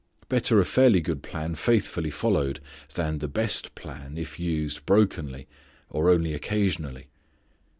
Better a fairly good plan faithfully followed, than the best plan if used brokenly or only occasionally.